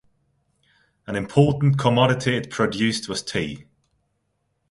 An important commodity it produced was tea.